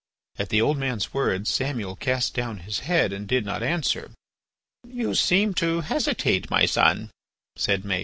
At the old man's words Samuel cast down his head and did not answer. "You seem to hesitate, my son," said Maël.